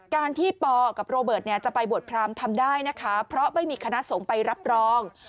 การที่ปกับโรเบิร์ตจะไปบวชพรามทำได้นะคะเพราะไม่มีคณะสงฆ์ไปรับรอง